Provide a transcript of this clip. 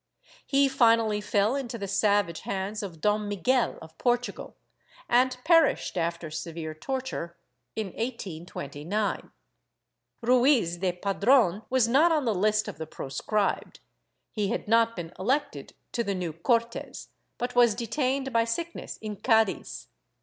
He finally fell into the savage hands of Dom Miguel of Portugal and perished, after severe torture, in 1829.^ Ruiz de Padron was not on the list of the proscribed; he had not been elected to the new Cortes but was detained by sickness in Cadiz.